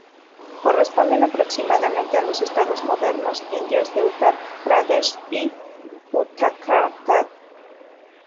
Corresponde aproximadamente a los estados modernos indios de Uttar Pradesh y Uttarakhand.